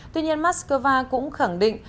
tuy nhiên moscow cũng khẳng định